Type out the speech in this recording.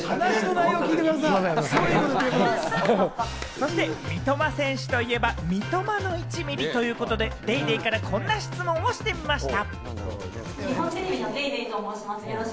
そして三笘選手といえば「三笘の１ミリ」ということで、『ＤａｙＤａｙ．』からこんな質問をしてみました。